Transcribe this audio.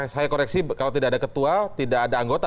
saya koreksi kalau tidak ada ketua tidak ada anggota